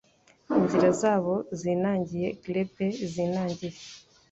Inzira zabo zinangiye glebe zinangiye;